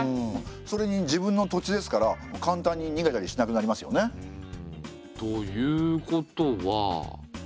それに自分の土地ですから簡単に逃げたりしなくなりますよね。ということは。